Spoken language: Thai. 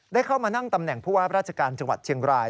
ได้เข้ามานั่งตำแหน่งผู้ว่าราชการจังหวัดเชียงราย